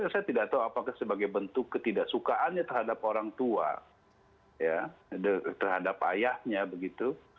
saya tidak tahu apakah sebagai bentuk ketidaksukaannya terhadap orang tua ya terhadap ayahnya begitu